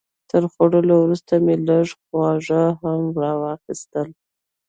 تر خوړو وروسته مې لږ خواږه هم راواخیستل.